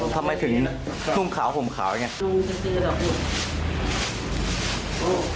ทำไมถึงนุ่งขาวห่วงขาวอย่างนี้